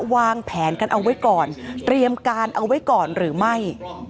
วางแผนกันเอาไว้ก่อนเตรียมการเอาไว้ก่อนหรือไม่